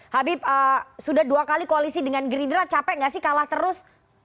habib sudah dua kali koalisi dengan gerindra capek nggak sih kalah terus